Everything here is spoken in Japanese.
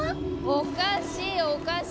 おかしいおかしい。